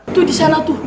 tuh disana tuh